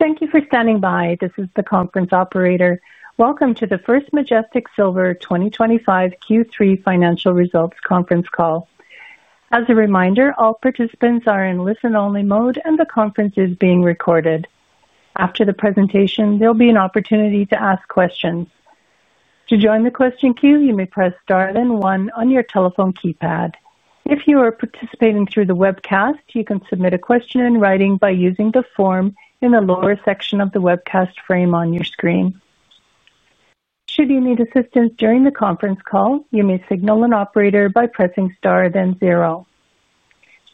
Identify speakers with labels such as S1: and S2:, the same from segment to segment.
S1: Thank you for standing by. This is the conference operator. Welcome to the First Majestic Silver 2025 Q3 financial results conference call. As a reminder, all participants are in listen-only mode, and the conference is being recorded. After the presentation, there will be an opportunity to ask questions. To join the question queue, you may press star then one on your telephone keypad. If you are participating through the webcast, you can submit a question in writing by using the form in the lower section of the webcast frame on your screen. Should you need assistance during the conference call, you may signal an operator by pressing star then zero.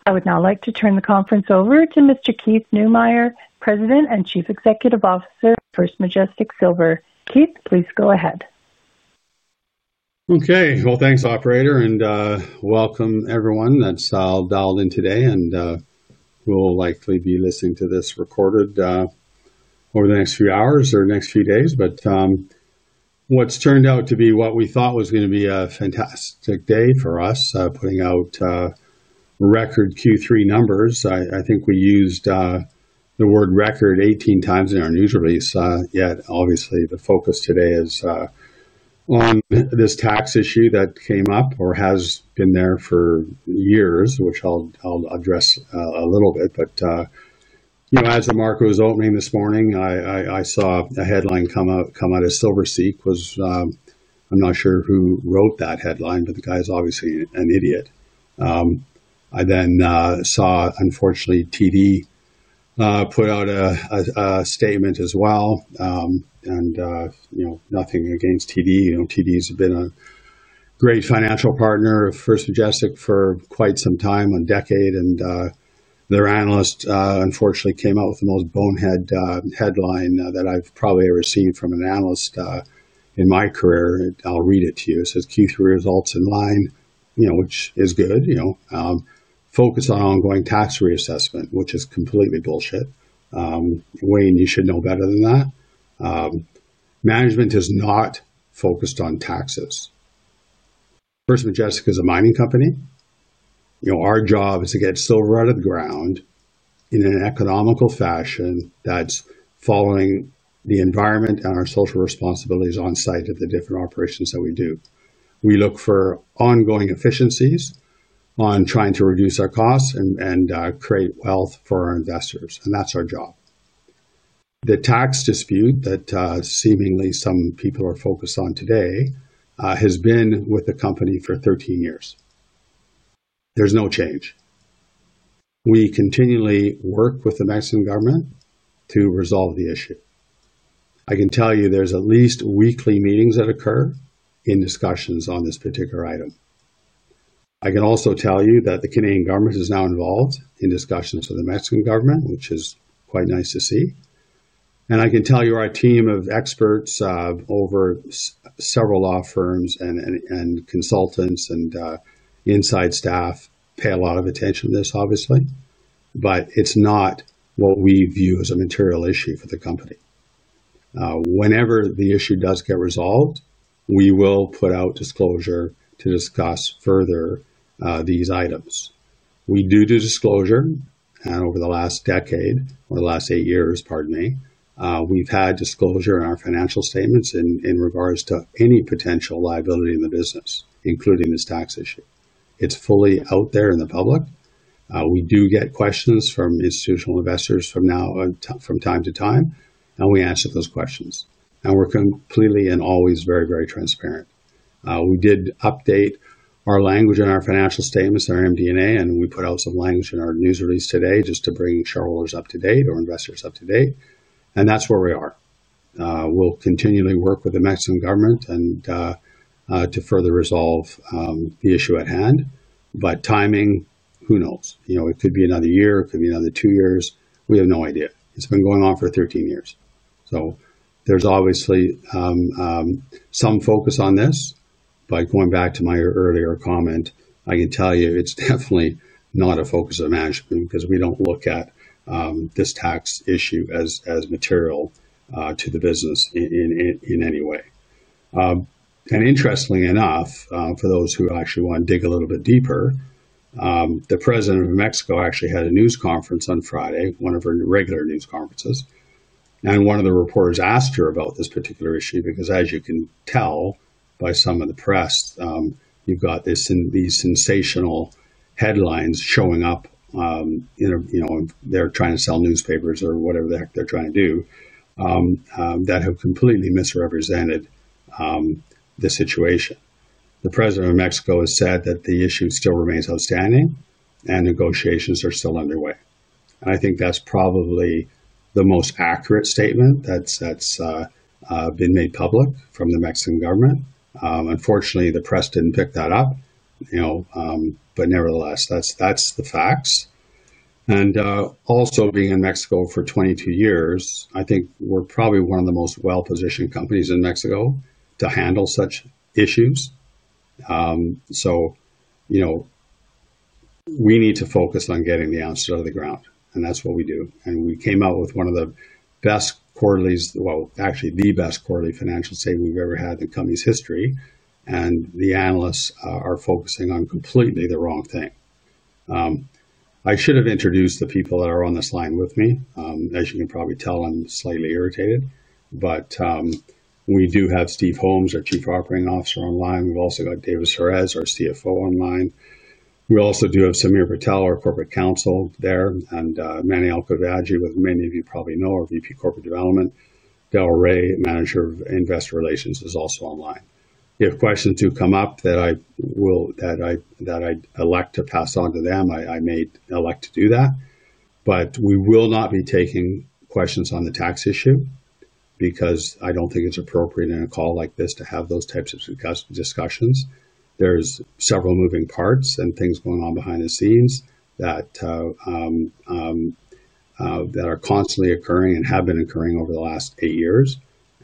S1: I would now like to turn the conference over to Mr. Keith Neumeyer, President and Chief Executive Officer of First Majestic Silver. Keith, please go ahead.
S2: Okay. Thanks, Operator, and welcome, everyone. That's how I'll dial in today, and we'll likely be listening to this recorded over the next few hours or next few days. What's turned out to be what we thought was going to be a fantastic day for us, putting out record Q3 numbers. I think we used the word record 18 times in our news release. Yet, obviously, the focus today is on this tax issue that came up or has been there for years, which I'll address a little bit. As the market was opening this morning, I saw a headline come out of SilverSeek. I'm not sure who wrote that headline, but the guy's obviously an idiot. I then saw, unfortunately, TD put out a statement as well. Nothing against TD. TD has been a great financial partner of First Majestic for quite some time, a decade. Their analyst, unfortunately, came out with the most bonehead headline that I've probably ever seen from an analyst in my career. I'll read it to you. It says, "Q3 results in line," which is good. Focus on ongoing tax reassessment, which is completely bullshit. Wayne, you should know better than that. Management is not focused on taxes. First Majestic is a mining company. Our job is to get silver out of the ground in an economical fashion that's following the environment and our social responsibilities on site at the different operations that we do. We look for ongoing efficiencies on trying to reduce our costs and create wealth for our investors. That's our job. The tax dispute that seemingly some people are focused on today has been with the company for 13 years. There's no change. We continually work with the Mexican government to resolve the issue. I can tell you there's at least weekly meetings that occur in discussions on this particular item. I can also tell you that the Canadian government is now involved in discussions with the Mexican government, which is quite nice to see. I can tell you our team of experts over several law firms and consultants and inside staff pay a lot of attention to this, obviously. It's not what we view as a material issue for the company. Whenever the issue does get resolved, we will put out disclosure to discuss further these items. We do do disclosure. Over the last decade, or the last eight years, pardon me, we've had disclosure in our financial statements in regards to any potential liability in the business, including this tax issue. It's fully out there in the public. We do get questions from institutional investors from time to time, and we answer those questions. We're completely and always very, very transparent. We did update our language in our financial statements, our MD&A, and we put out some language in our news release today just to bring shareholders up to date or investors up to date. That's where we are. We'll continually work with the Mexican government to further resolve the issue at hand. Timing, who knows? It could be another year. It could be another two years. We have no idea. It's been going on for 13 years. There's obviously some focus on this. Going back to my earlier comment, I can tell you it's definitely not a focus of management because we don't look at this tax issue as material to the business in any way. Interestingly enough, for those who actually want to dig a little bit deeper, the President of Mexico actually had a news conference on Friday, one of her regular news conferences. One of the reporters asked her about this particular issue because, as you can tell by some of the press, you've got these sensational headlines showing up. They're trying to sell newspapers or whatever the heck they're trying to do that have completely misrepresented the situation. The President of Mexico has said that the issue still remains outstanding and negotiations are still underway. I think that's probably the most accurate statement that's been made public from the Mexican government. Unfortunately, the press did not pick that up. Nevertheless, that is the facts. Also, being in Mexico for 22 years, I think we are probably one of the most well-positioned companies in Mexico to handle such issues. We need to focus on getting the answer out of the ground. That is what we do. We came out with one of the best quarterly—well, actually, the best quarterly financial statement we have ever had in the company's history. The analysts are focusing on completely the wrong thing. I should have introduced the people that are on this line with me. As you can probably tell, I am slightly irritated. We do have Steve Holmes, our Chief Operating Officer, online. We have also got David Soares, our CFO, online. We also do have Samir Patel, our Corporate Counsel, there. Mani Alkhafaji, what many of you probably know, our VP Corporate Development. Darrell Rae, Manager of Investor Relations, is also online. If questions do come up that I elect to pass on to them, I may elect to do that. We will not be taking questions on the tax issue because I do not think it is appropriate in a call like this to have those types of discussions. There are several moving parts and things going on behind the scenes that are constantly occurring and have been occurring over the last eight years.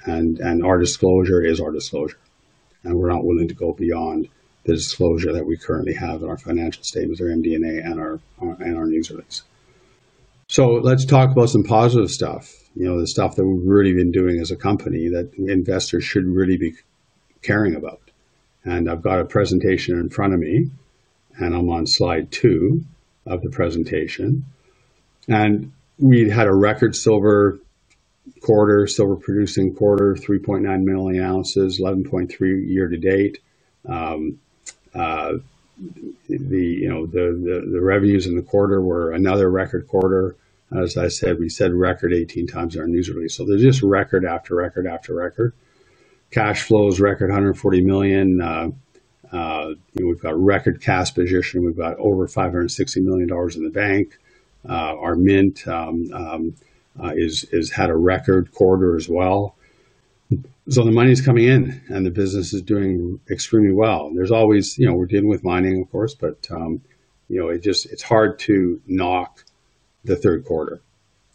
S2: Our disclosure is our disclosure, and we are not willing to go beyond the disclosure that we currently have in our financial statements, our MD&A, and our news release. Let's talk about some positive stuff, the stuff that we have really been doing as a company that investors should really be caring about. I have got a presentation in front of me, and I am on slide two of the presentation. We had a record silver quarter, silver-producing quarter, 3.9 million oz, 11.3 million oz year to date. The revenues in the quarter were another record quarter. As I said, we said record 18 times in our news release. There is just record after record after record. Cash flow is record $140 million. We have a record cash position. We have over $560 million in the bank. Our mint has had a record quarter as well. The money is coming in, and the business is doing extremely well. We are dealing with mining, of course, but it is hard to knock the third quarter.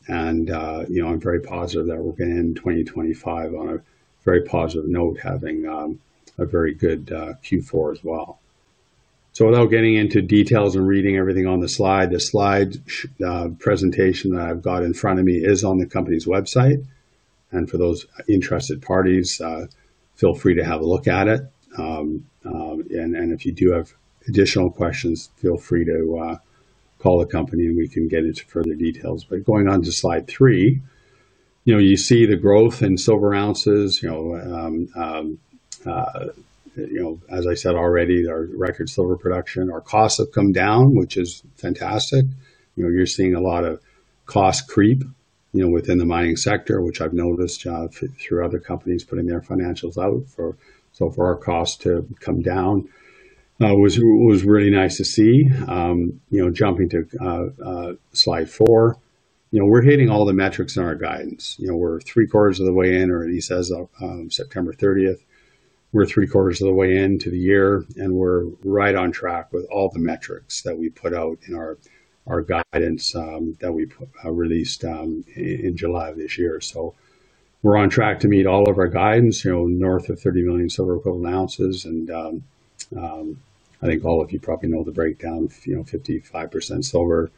S2: I am very positive that we are going to end 2025 on a very positive note, having a very good Q4 as well. Without getting into details and reading everything on the slide, the slide presentation that I have in front of me is on the company's website. For those interested parties, feel free to have a look at it. If you do have additional questions, feel free to call the company, and we can get into further details. Going on to slide three, you see the growth in silver ounces. As I said already, our record silver production, our costs have come down, which is fantastic. You're seeing a lot of cost creep within the mining sector, which I've noticed through other companies putting their financials out. For our costs to come down was really nice to see. Jumping to slide four, we're hitting all the metrics in our guidance. We're three-quarters of the way in, or he says September 30th. We're three-quarters of the way into the year, and we're right on track with all the metrics that we put out in our guidance that we released in July of this year. We're on track to meet all of our guidance, north of 30 million silver equivalent ounces. I think all of you probably know the breakdown: 55% silver,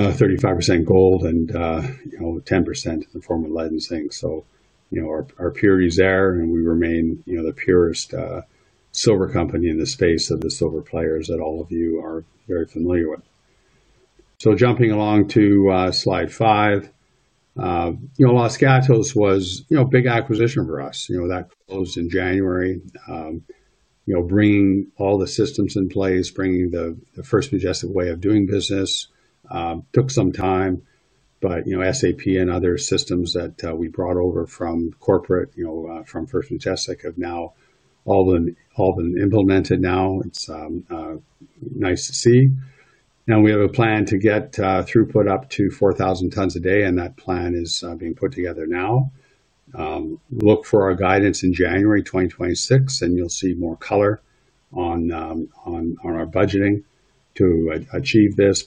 S2: 35% gold, and 10% in the form of lead and zinc. Our purity is there, and we remain the purest silver company in the space of the silver players that all of you are very familiar with. Jumping along to slide five, Los Gatos was a big acquisition for us that closed in January. Bringing all the systems in place, bringing the First Majestic way of doing business took some time. SAP and other systems that we brought over from corporate, from First Majestic, have now all been implemented now. It's nice to see. We have a plan to get throughput up to 4,000 tons a day, and that plan is being put together now. Look for our guidance in January 2026, and you'll see more color on our budgeting to achieve this.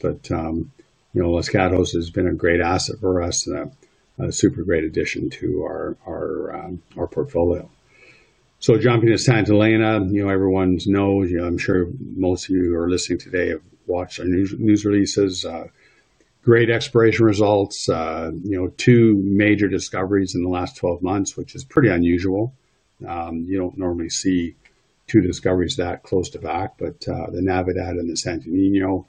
S2: Los Gatos has been a great asset for us and a super great addition to our portfolio. Jumping to Santa Elena, everyone knows, I'm sure most of you who are listening today have watched our news releases. Great exploration results. Two major discoveries in the last 12 months, which is pretty unusual. You don't normally see two discoveries that close to back, but the Navidad and the Santo Niño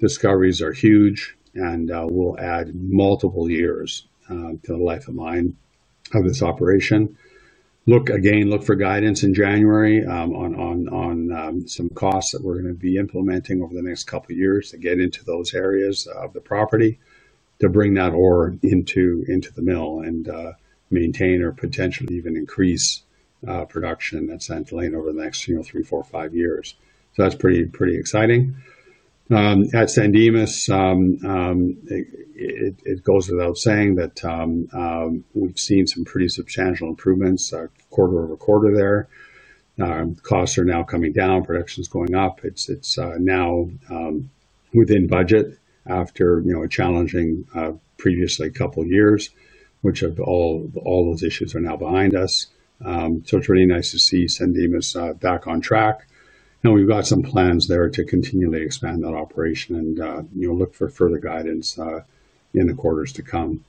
S2: discoveries are huge, and will add multiple years to the life of mine of this operation. Again, look for guidance in January on some costs that we're going to be implementing over the next couple of years to get into those areas of the property to bring that ore into the mill and maintain or potentially even increase. Production at Santa Elena over the next three, four, five years. That is pretty exciting. At San Dimas, it goes without saying that we have seen some pretty substantial improvements, quarter over quarter there. Costs are now coming down, production's going up. It is now within budget after a challenging previous couple of years, which all those issues are now behind us. It is really nice to see San Dimas back on track. We have got some plans there to continually expand that operation and look for further guidance in the quarters to come.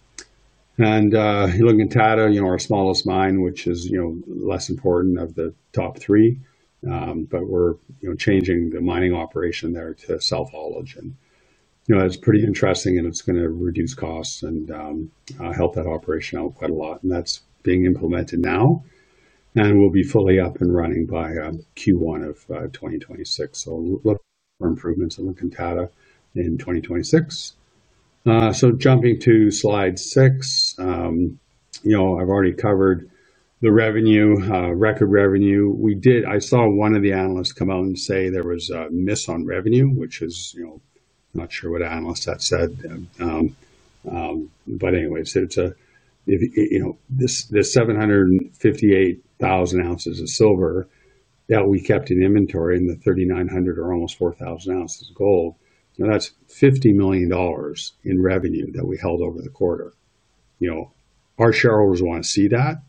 S2: Looking at La Encantada, our smallest mine, which is less important of the top three, we are changing the mining operation there to sub-level caving. It is pretty interesting, and it is going to reduce costs and help that operation out quite a lot. That is being implemented now and will be fully up and running by Q1 of 2026. Look for improvements and looking at Tata in 2026. Jumping to slide six. I've already covered the revenue, record revenue. I saw one of the analysts come out and say there was a miss on revenue, which is not sure what analyst that said. Anyway, the 758,000 oz of silver that we kept in inventory and the 3,900 oz or almost 4,000 oz of gold, that's $50 million in revenue that we held over the quarter. Our shareholders want to see that.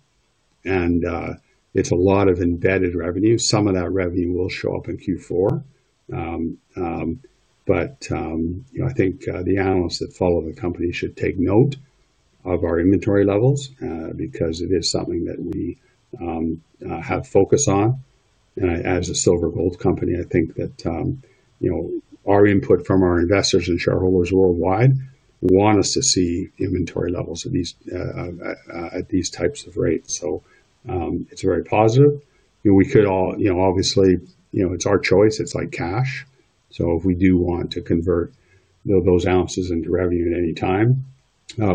S2: It's a lot of embedded revenue. Some of that revenue will show up in Q4. I think the analysts that follow the company should take note of our inventory levels because it is something that we have focus on. As a silver gold company, I think that. Our input from our investors and shareholders worldwide want us to see inventory levels at these types of rates. It is very positive. We could all, obviously, it is our choice. It is like cash. If we do want to convert those ounces into revenue at any time,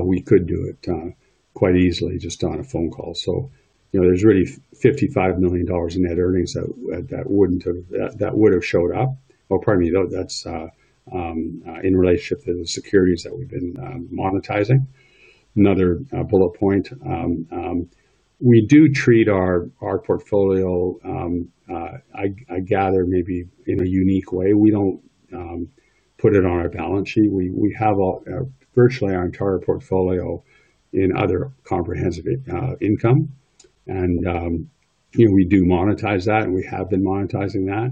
S2: we could do it quite easily just on a phone call. There is really $55 million in net earnings that would have showed up. Oh, pardon me, that is in relationship to the securities that we have been monetizing. Another bullet point. We do treat our portfolio, I gather, maybe in a unique way. We do not put it on our balance sheet. We have virtually our entire portfolio in other comprehensive income. We do monetize that, and we have been monetizing that.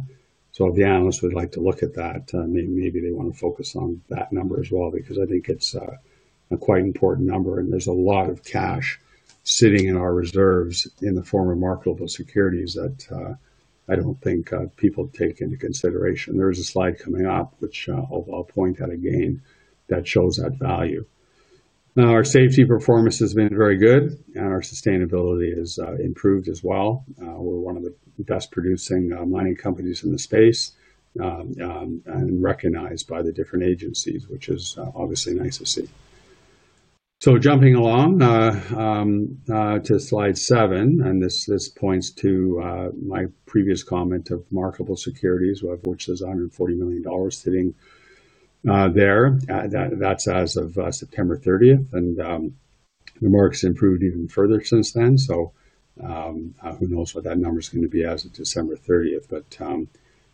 S2: If the analysts would like to look at that, maybe they want to focus on that number as well because I think it's a quite important number. There's a lot of cash sitting in our reserves in the form of marketable securities that I don't think people take into consideration. There is a slide coming up, which I'll point out again, that shows that value. Our safety performance has been very good, and our sustainability has improved as well. We're one of the best-producing mining companies in the space and recognized by the different agencies, which is obviously nice to see. Jumping along to slide seven, this points to my previous comment of marketable securities, which is $140 million sitting there. That's as of September 30, and the market's improved even further since then. Who knows what that number's going to be as of December 30th?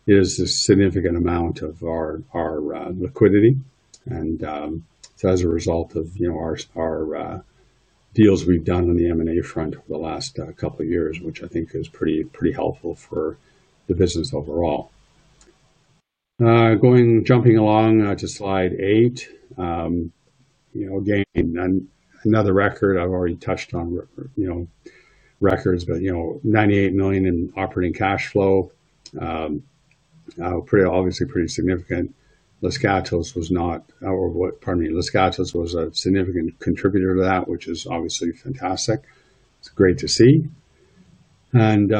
S2: It is a significant amount of our liquidity. It is as a result of our deals we've done on the M&A front over the last couple of years, which I think is pretty helpful for the business overall. Jumping along to slide eight. Again, another record. I've already touched on records, but $98 million in operating cash flow. Obviously, pretty significant. Los Gatos was not—pardon me—Los Gatos was a significant contributor to that, which is obviously fantastic. It's great to see. Going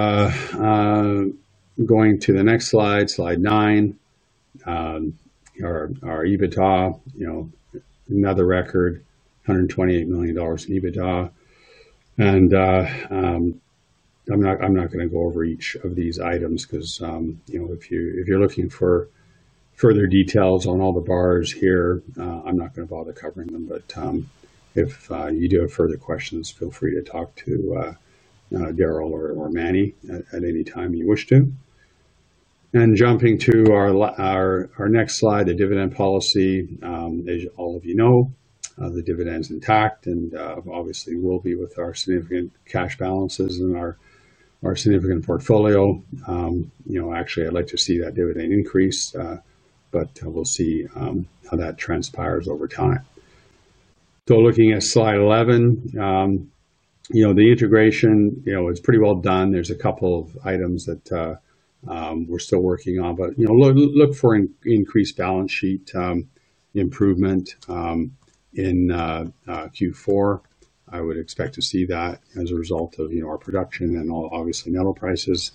S2: to the next slide, slide nine. Our EBITDA. Another record, $128 million in EBITDA. I'm not going to go over each of these items because if you're looking for further details on all the bars here, I'm not going to bother covering them. If you do have further questions, feel free to talk to Darrell or Mani at any time you wish to. Jumping to our next slide, the dividend policy. As all of you know, the dividend's intact, and obviously, with our significant cash balances and our significant portfolio, actually, I'd like to see that dividend increase, but we'll see how that transpires over time. Looking at slide 11. The integration is pretty well done. There are a couple of items that we're still working on, but look for increased balance sheet improvement in Q4. I would expect to see that as a result of our production and obviously metal prices.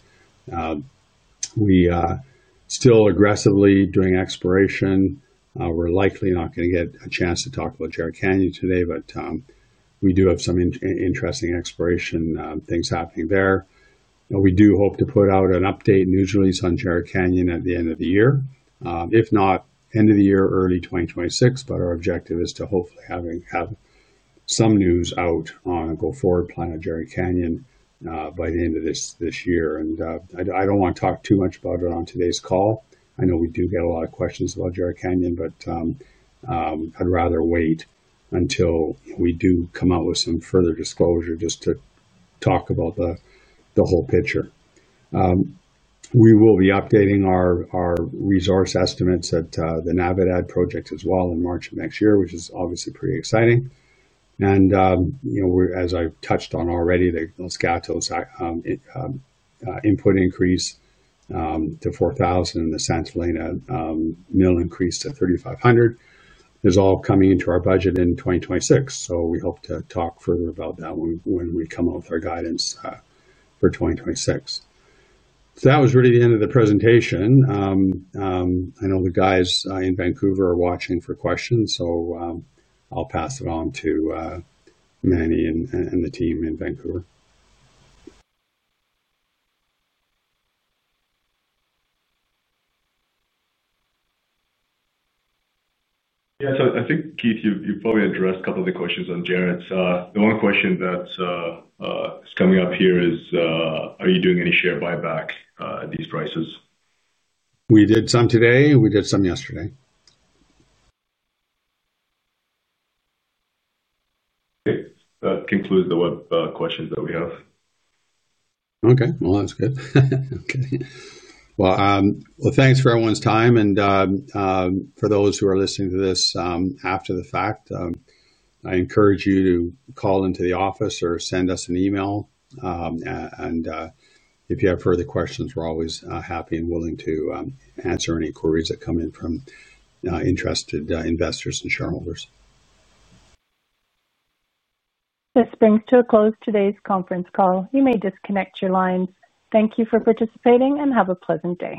S2: We're still aggressively doing exploration. We're likely not going to get a chance to talk about Jerritt Canyon today, but we do have some interesting exploration things happening there. We do hope to put out an update news release on Jerritt Canyon at the end of the year. If not end of the year, early 2026, but our objective is to hopefully have some news out on a go-forward plan of Jerritt Canyon by the end of this year. I do not want to talk too much about it on today's call. I know we do get a lot of questions about Jerritt Canyon, but I would rather wait until we do come out with some further disclosure just to talk about the whole picture. We will be updating our resource estimates at the Navidad project as well in March of next year, which is obviously pretty exciting. As I touched on already, the Los Gatos input increase to 4,000 and the Santa Elena mill increased to 3,500. It is all coming into our budget in 2026. We hope to talk further about that when we come out with our guidance for 2026. That was really the end of the presentation. I know the guys in Vancouver are watching for questions, so I'll pass it on to Mani and the team in Vancouver.
S3: Yeah. I think, Keith, you've probably addressed a couple of the questions on Jerritt. The one question that's coming up here is, are you doing any share buyback at these prices?
S2: We did some today. We did some yesterday.
S3: It concludes the web questions that we have.
S2: Okay. That's good. Thanks for everyone's time. For those who are listening to this after the fact, I encourage you to call into the office or send us an email. If you have further questions, we're always happy and willing to answer any queries that come in from interested investors and shareholders.
S1: This brings to a close today's conference call. You may disconnect your lines. Thank you for participating and have a pleasant day.